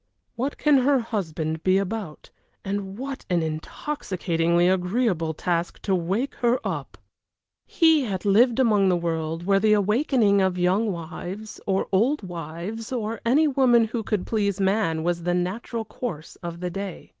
"What can her husband be about, and what an intoxicatingly agreeable task to wake her up!" He had lived among the world where the awaking of young wives, or old wives, or any woman who could please man, was the natural course of the day.